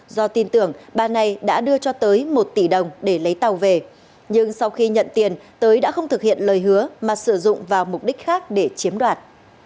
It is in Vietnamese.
do tin tưởng bà này đã đưa cho tới một tỷ đồng để lấy tàu về nhưng sau khi nhận tiền tới đã không thực hiện lời hứa mà sử dụng vào mục đích khác để chiếm đoạt